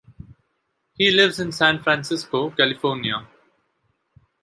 He lives in San Francisco, California.